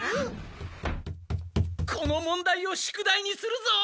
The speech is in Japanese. この問題を宿題にするぞ！